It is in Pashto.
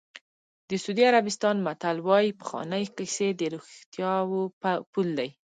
د سعودي عربستان متل وایي پخوانۍ کیسې د رښتیاوو پل دی.